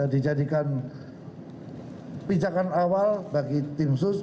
dijadikan pijakan awal bagi tim sus